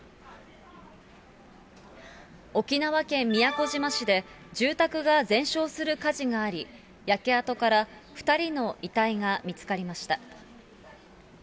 沖縄県宮古島市で、住宅が全焼する火事があり、焼け跡から２人の遺体が見つかりました。